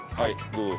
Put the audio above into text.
どうぞ。